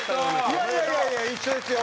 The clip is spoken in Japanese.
いやいやいやいや一緒ですよ。